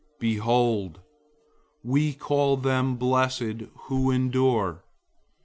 005:011 Behold, we call them blessed who endured.